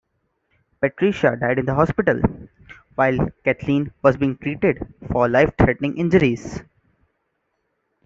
Patricia died in the hospital, while Kathleen was being treated for life-threatening injuries.